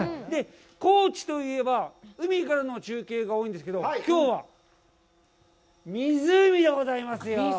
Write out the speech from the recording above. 高知といえば、海からの中継が多いんですけど、きょうは湖でございますよ。